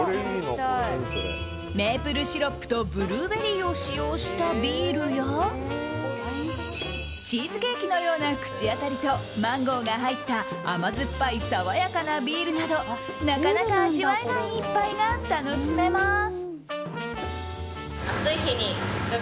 メープルシロップとブルーベリーを使用したビールやチーズケーキのような口当たりとマンゴーが入った甘酸っぱい爽やかなビールなどなかなか味わえない一杯が楽しめます。